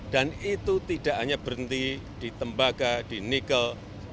dan itu tidak hanya berhenti di tembaga di nikel